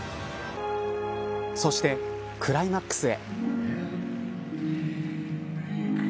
そして、クライマックスへ。